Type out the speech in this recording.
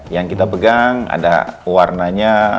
yang kita pegang ada pewarnanya